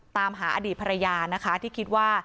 ตามหาอดีตภรรยานะคะที่คิดว่า